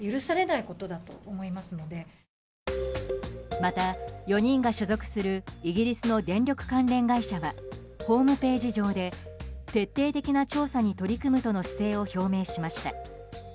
また４人が所属するイギリスの電力関連会社はホームページ上で徹底的な調査に取り組むとの姿勢を表明しました。